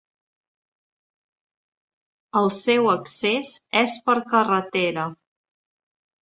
El seu accés és per carretera.